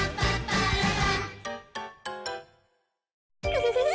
ウフフフ。